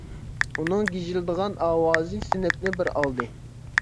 ئۇنىڭ گىژىلدىغان ئاۋازى سىنىپنى بىر ئالدى.